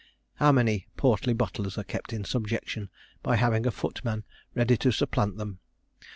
How many portly butlers are kept in subjection by having a footman ready to supplant them.